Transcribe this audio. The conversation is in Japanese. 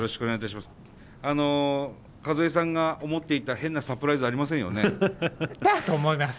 あのカズエさんが思っていた変なサプライズありませんよね？と思います。